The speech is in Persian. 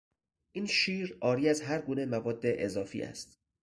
این شیر عاری از هرگونه مواد اضافی است.